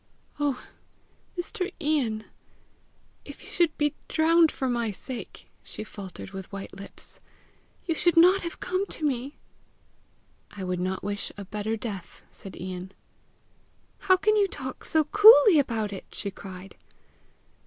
"Oh, Mr. Ian, if you should be drowned for my sake!" she faltered with white lips. "You should not have come to me!" "I would not wish a better death," said Ian. "How can you talk so coolly about it!" she cried.